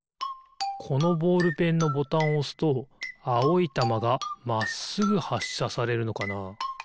このボールペンのボタンをおすとあおいたまがまっすぐはっしゃされるのかな？